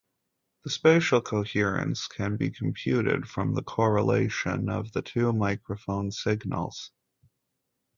The spatial coherence can be computed from the correlation of the two microphone signals.